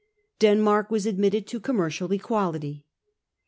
Denmark was admitted to com mercial equality.